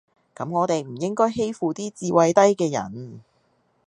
咁我地唔應該欺負啲智慧低嘅人